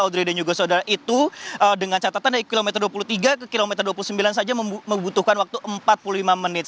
audrey dan juga saudara itu dengan catatan dari kilometer dua puluh tiga ke kilometer dua puluh sembilan saja membutuhkan waktu empat puluh lima menit